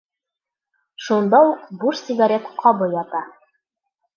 Шунда уҡ буш сигарет ҡабы ята.